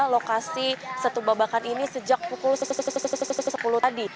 lokasi setubabakan ini sejak pukul sepuluh tadi